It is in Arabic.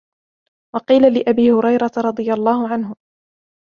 وَقِيلَ لِأَبِي هُرَيْرَةَ رَضِيَ اللَّهُ عَنْهُ